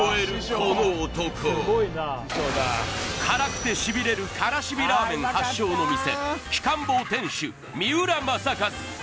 この男辛くてしびれるカラシビラーメン発祥の店鬼金棒店主・三浦正和